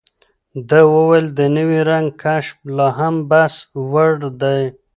ده وویل، د نوي رنګ کشف لا هم بحثوړ دی.